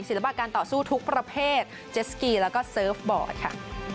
การต่อสู้ทุกประเภทเจสกีแล้วก็เซิร์ฟบอร์ดค่ะ